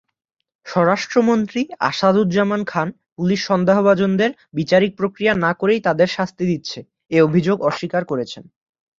স্বরাষ্ট্রমন্ত্রী আসাদুজ্জামান খান পুলিশ সন্দেহভাজনদের বিচারিক প্রক্রিয়া না করেই তাদের শাস্তি দিচ্ছে- এ অভিযোগ অস্বীকার করেছেন।